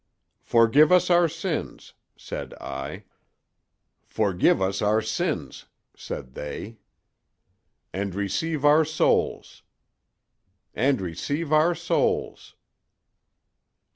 "'Forgive us our sins,' said I. "'Forgive us our sins,' said they. "'And receive our souls.' "'And receive our souls.